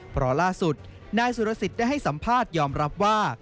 เพราะล่าสุดนายสุรสิทธิ์ได้ให้สัมภาษณ์ยอมรับว่า